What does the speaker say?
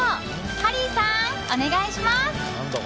ハリーさん、お願いします！